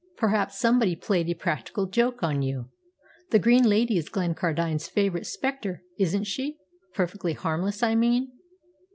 "Perhaps somebody played a practical joke on you. The Green Lady is Glencardine's favourite spectre, isn't she perfectly harmless, I mean?"